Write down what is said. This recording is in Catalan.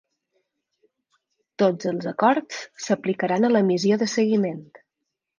Tots els acords s'aplicaran a la missió de seguiment.